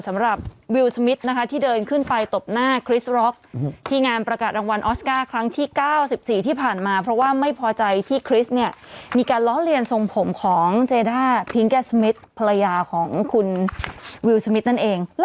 เอาออกแล้วก็ไปสร้างเป็นบ้านไปสร้างเป็นแบบโปร่ง